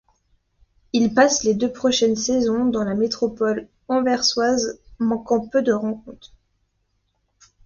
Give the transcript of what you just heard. Il passe les deux prochaines saisons dans la métropole anversoise, manquant peu de rencontres.